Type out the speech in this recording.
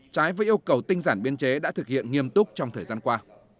trái với yêu cầu tinh giản biên chế đã thực hiện nghiêm túc trong thời gian qua